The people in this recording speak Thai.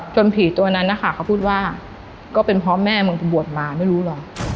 ผีตัวนั้นนะคะเขาพูดว่าก็เป็นเพราะแม่มึงบวชมาไม่รู้หรอก